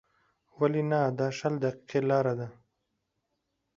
ولې نه، دا شل دقیقې لاره ده.